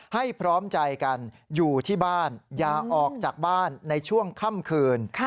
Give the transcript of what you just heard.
ให้พร้อมใจกันอยู่ที่บ้านอย่าออกจากบ้านในช่วงค่ำคืน